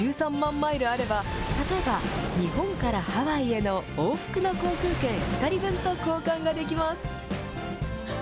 マイルあれば、例えば日本からハワイへの往復の航空券２人分と交換ができます。